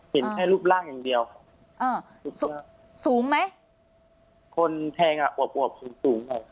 เห็นแค่รูปร่างอย่างเดียวอ่าสูงสูงไหมคนแทงอ่ะอวบอวบสูงสูงหน่อย